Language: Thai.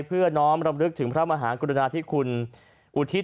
เพื่อน้อมรำลึกถึงพระมหากรุณาธิคุณอุทิศ